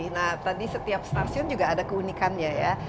nah tadi setiap stasiun juga ada keunikannya ya